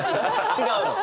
違うの。